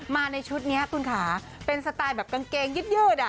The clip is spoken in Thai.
มาในชุดนี้คุณค่ะเป็นสไตล์แบบกางเกงยืดอ่ะ